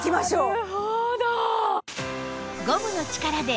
なるほど！